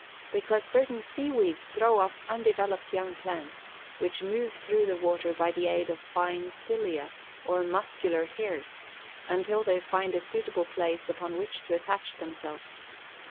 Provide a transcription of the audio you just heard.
_ Because certain sea weeds throw off undeveloped young plants, which move through the water by the aid of fine cilia, or muscular hairs, until they find a suitable place upon which to attach themselves.